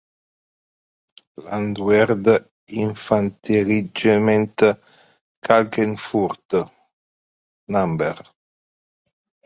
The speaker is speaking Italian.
Landwehr-Infanterieregiment "Klagenfurt" Nr.